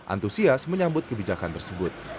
antusias menyambut kebijakan tersebut